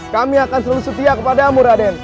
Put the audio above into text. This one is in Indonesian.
kami akan selalu setia kepada kamu raden